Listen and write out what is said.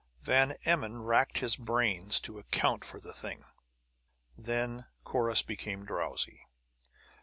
Van Emmon racked his brains to account for the thing. Then Corrus became drowsy.